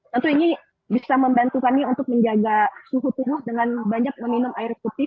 tentu ini bisa membantu kami untuk menjaga suhu tubuh dengan banyak meminum air putih